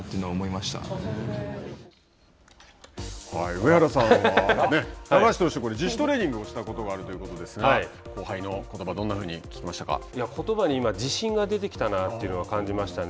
上原さん、高橋投手と自主トレーニングをしたことがあるということですが後輩のことばことばに今、自信が出てきたなというのは感じましたね。